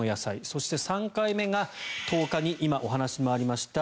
そして、３回目が１０日に今お話にもありました